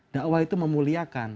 da'wah itu memuliakan